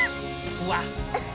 うわっ。